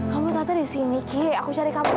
aku bekerja di rumah sakit carta itu